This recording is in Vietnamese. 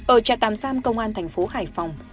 ở trà tàm sam công an thành phố hải phòng